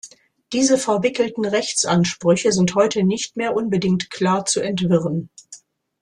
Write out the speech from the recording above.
Diese verwickelten Rechtsansprüche sind heute nicht mehr unbedingt klar zu entwirren.